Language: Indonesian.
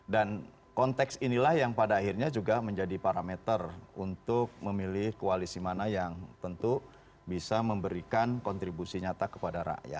dan konteks inilah yang pada akhirnya juga menjadi parameter untuk memilih koalisi mana yang tentu bisa memberikan kontribusi nyata kepada rakyat